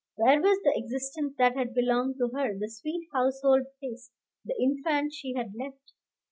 Where was the existence that had belonged to her, the sweet household place, the infant she had left?